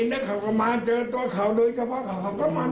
แล้วก็มาให้เราก็วนไปด้วย